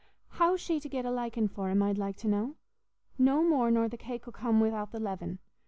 How's she to get a likin' for him, I'd like to know? No more nor the cake 'ull come wi'out the leaven.